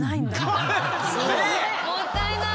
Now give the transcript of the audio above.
もったいない。